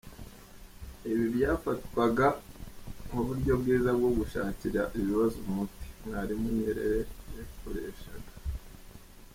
Ibi byafatwaga nk’uburyo bwiza bwo gushakira ibibazo umuti, Mwalimu Nyerere yakoreshaga.